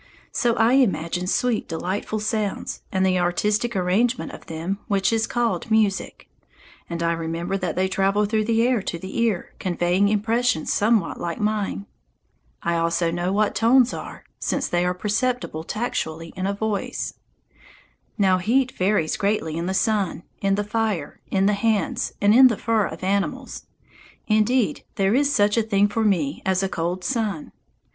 So I imagine sweet, delightful sounds, and the artistic arrangement of them which is called music, and I remember that they travel through the air to the ear, conveying impressions somewhat like mine. I also know what tones are, since they are perceptible tactually in a voice. Now, heat varies greatly in the sun, in the fire, in hands, and in the fur of animals; indeed, there is such a thing for me as a cold sun.